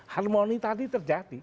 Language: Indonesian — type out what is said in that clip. harmoni tadi terjadi